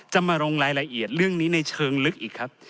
จะมาลงรายละเอียดเรื่องนี้ในเชิงลึกอีกครับ